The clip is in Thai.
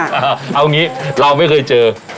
เอาอย่างงี้เราไม่เคยเจอ